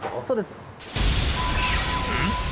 そうです。